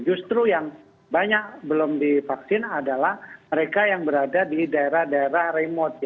justru yang banyak belum divaksin adalah mereka yang berada di daerah daerah remote